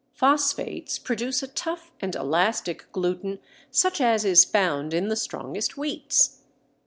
Phosphates produce a tough and elastic gluten such as is found in the strongest wheats.